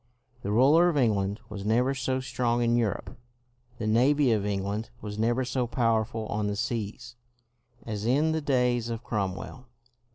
The ruler of England was never so strong in Europe, the navy of England was never so powerful on the seas, as in the days of Cromwell.